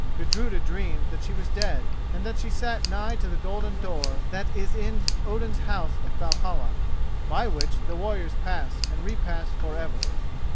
Gudruda dreamed that she was dead and that she sat nigh to the golden door that is in Odin's house at Valhalla, by which the warriors pass and repass for ever.